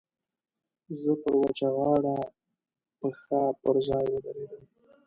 زه پر وچه غاړه پښه پر ځای ودرېدم.